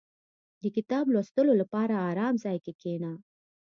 • د کتاب لوستلو لپاره آرام ځای کې کښېنه.